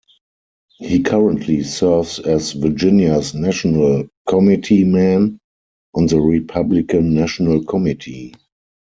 He currently serves as Virginia's national committeeman on the Republican National Committee.